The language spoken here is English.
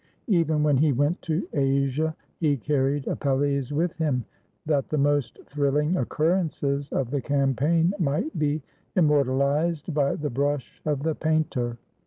Even when he went to Asia, he carried Apelles with him, that the most thrilling occurrences of the campaign might be immortalized by the brush of the painter.